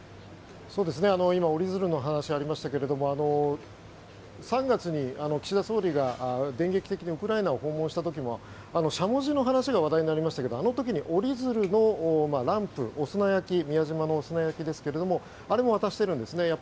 今折り鶴の話がありましたが３月に岸田総理が電撃的にウクライナを訪問した時もしゃもじの話が話題になりましたがあの時に折り鶴のランプ宮島のものですがあれも渡しているんですね。